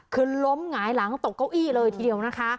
คือล้มหงายหลังตกเก้าอี้เลยทีเดียวนะคะ